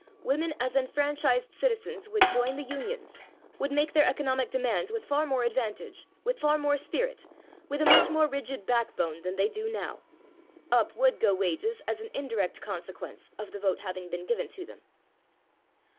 Women as enfranchised citizens would join the unions, would make their economic demands with far more advantage, with far more spirit, with a much more rigid backbone than they do now. Up would go wages as an indirect consequence of the vote having been given to them."